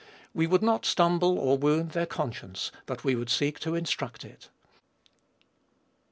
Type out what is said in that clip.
We would not stumble or wound their conscience, but we would seek to instruct it.